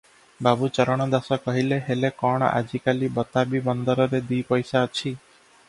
ବାବୁ ଚରଣ ଦାସ କହିଲେ-ହେଲେ କଣ, ଆଜି କାଲି ବତାବୀ ବନ୍ଦରରେ ଦି ପଇସା ଅଛି ।